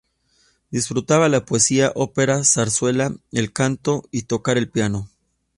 Disfrutaba la poesía, ópera, zarzuela, el canto y tocar el piano.